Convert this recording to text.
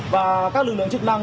và các lực lượng chức năng